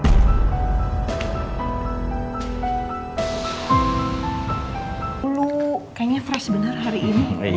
kayaknya fresh bener hari ini